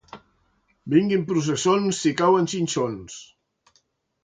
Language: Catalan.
Vinguin processons si cauen xinxons.